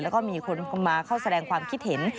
แล้วก็มีคนมาเข้าแสดงความคิดเห็น